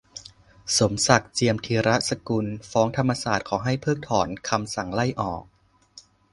'สมศักดิ์ เจียมธีรสกุล' ฟ้องธรรมศาสตร์ ขอให้เพิกถอนคำสั่งไล่ออก